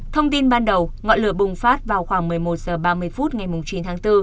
thông tin ban đầu ngọn lửa bùng phát vào khoảng một mươi một h ba mươi phút ngày chín tháng bốn